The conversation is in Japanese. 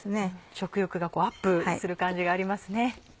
食欲がアップする感じがありますね。